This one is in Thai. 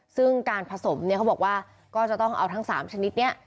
ซึ่งการผสมเนี่ยเขาบอกว่าก็จะต้องเอาทั้ง๓ชนิดนี้